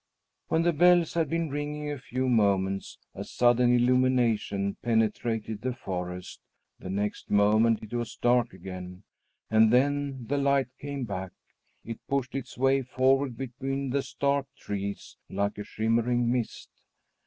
When the bells had been ringing a few moments, a sudden illumination penetrated the forest; the next moment it was dark again, and then the light came back. It pushed its way forward between the stark trees, like a shimmering mist.